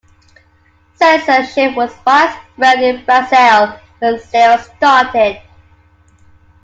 Censorship was widespread in Brazil when Zero started.